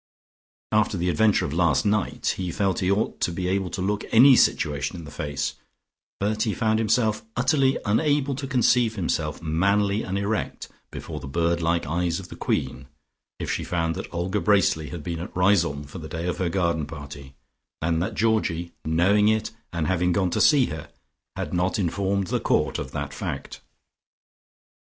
After the adventure of last night, he felt he ought to be able to look any situation in the face, but he found himself utterly unable to conceive himself manly and erect before the bird like eyes of the Queen, if she found out that Olga Bracely had been at Riseholme for the day of her garden party, and that Georgie, knowing it and having gone to see her, had not informed the Court of that fact.